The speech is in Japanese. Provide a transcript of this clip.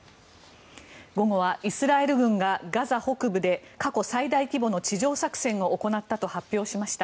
午後はイスラエル軍がガザ北部で過去最大規模の地上作戦を行ったと発表しました。